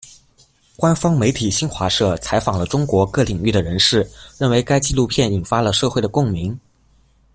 官方媒体新华社采访了中国各领域的人士，认为该纪录片引发了社会的共鸣。